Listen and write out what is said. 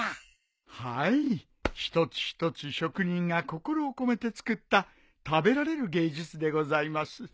はい一つ一つ職人が心を込めて作った食べられる芸術でございます。